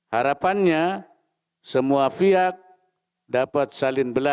harapannya semua fiak dapat saling berpengalaman